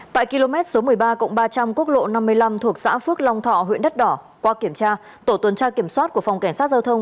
tại km số một mươi ba ba trăm linh quốc lộ năm mươi năm thuộc xã phước long thọ huyện đất đỏ qua kiểm tra tổ tuần tra kiểm soát của phòng cảnh sát giao thông